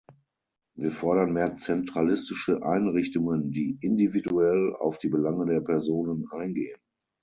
Wir fordern mehr zentralistische Einrichtungen, die "individuell" auf die Belange der Personen eingehen.